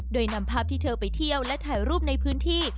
โดยนำภาพที่เธอไปเที่ยวและถ่ายรูปในพื้นที่